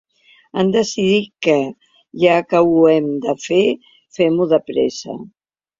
Han decidit que, ja que ho hem de fer, fem-ho de pressa.